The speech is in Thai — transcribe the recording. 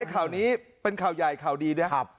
ข่าวนี้เป็นข่าวใหญ่ข่าวดีด้วย